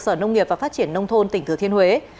sở nông nghiệp và phát triển nông thôn tỉnh thừa thiên huế